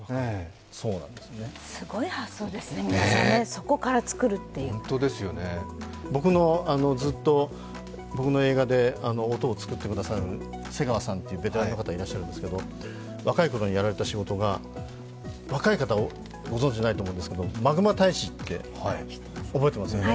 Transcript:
すごい発想ですね、皆さんね僕の映画で音を作ってくださる瀬川さんというベテランの方いらっしゃるんですけど、若いころにやられた仕事が若い方ご存じないと思いますけど「マグマ大使」って覚えてますよね？